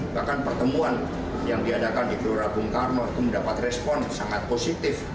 bahkan pertemuan yang diadakan di gelora bung karno itu mendapat respon sangat positif